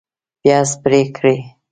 پیاز پرې کړئ